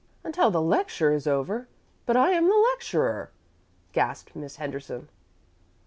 "Until the lecture is over! But I am the lecturer," gasped Miss Henderson.